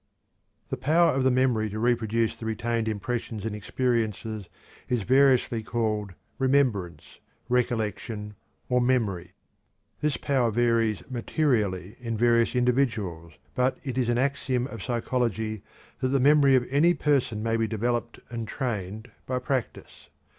The power of the memory to reproduce the retained impressions and experiences is variously called remembrance, recollection, or memory. This power varies materially in various individuals, but it is an axiom of psychology that the memory of any person may be developed and trained by practice.